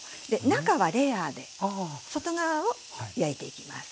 中はレアで外側を焼いていきます。